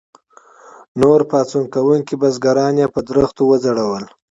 نور پاڅون کوونکي بزګران یې په ونو وځړول.